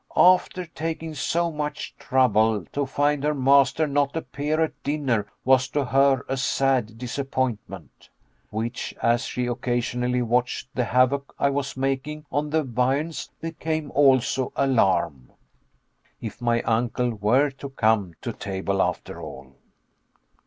After taking so much trouble, to find her master not appear at dinner was to her a sad disappointment which, as she occasionally watched the havoc I was making on the viands, became also alarm. If my uncle were to come to table after all?